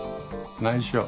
ないしょ。